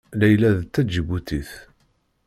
Layla d Taǧibutit.